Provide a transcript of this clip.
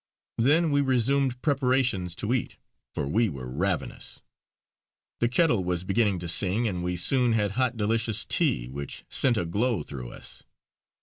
Then we resumed preparations to eat, for we were ravenous. The kettle was beginning to sing, and we soon had hot delicious tea, which sent a glow through us.